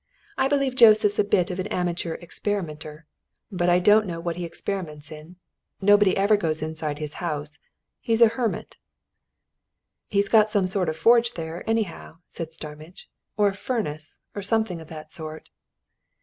I believe Joseph's a bit of an amateur experimenter but I don't know what he experiments in. Nobody ever goes inside his house he's a hermit." "He's got some sort of a forge there, anyhow," said Starmidge. "Or a furnace, or something of that sort."